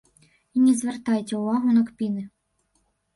І не звяртайце ўвагу на кпіны.